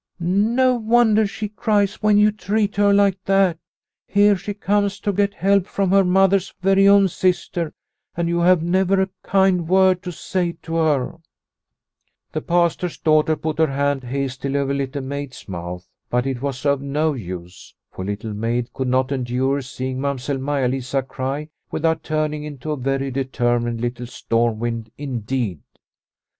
" No wonder she cries when you treat her like that. Here she comes to get help from her mother's very own sister, and you have never a kind word to say to her/' The Pastor's daughter put her hand hastily over Little Maid's mouth, but it was of no use, for Little Maid could not endure seeing Mamsell Maia Lisa cry without turning into a very determined little stormwind indeed.